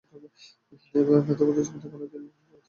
মেধা ও বুদ্ধিমত্তার কারণে তিনি অন্য সবার থেকে আলাদা ছিলেন।